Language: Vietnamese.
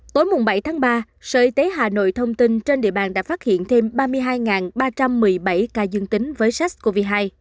tối bảy tháng ba sở y tế hà nội thông tin trên địa bàn đã phát hiện thêm ba mươi hai ba trăm một mươi bảy ca dương tính với sars cov hai